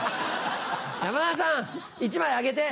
山田さん１枚あげて。